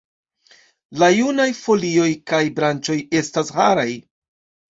La junaj folioj kaj branĉoj estas haraj.